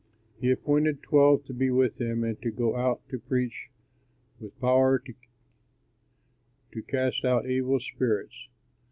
He appointed twelve to be with him and to go out to preach, with power to cast out evil spirits.